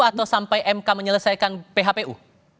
atau sampai mk menyelesaikan phpu